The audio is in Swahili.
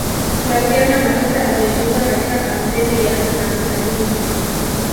flaviana matata amejiunga katika kampeni ya namthamini